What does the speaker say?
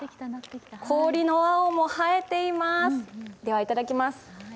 氷の青も映えていますでは、いただきます。